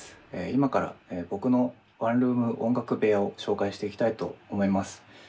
今から僕のワンルーム音楽部屋を紹介していきたいと思います。